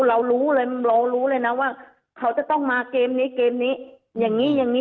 เรารู้เลยนะว่าเขาจะต้องมาเกมนี้เกมนี้